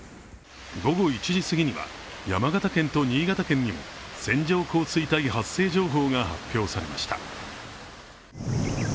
午後１時すぎには、山形県と新潟県にも線状降水帯発生情報が発表されました。